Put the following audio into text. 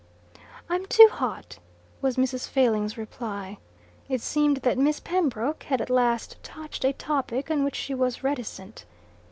"I'm too hot," was Mrs. Failing's reply. It seemed that Miss Pembroke had at last touched a topic on which she was reticent.